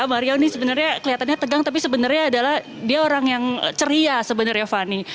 mario ini sebenarnya kelihatannya tegang tapi sebenarnya adalah dia orang yang ceria sebenarnya fani